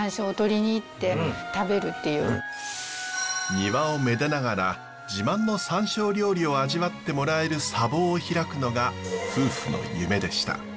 庭をめでながら自慢のさんしょう料理を味わってもらえる茶房を開くのが夫婦の夢でした。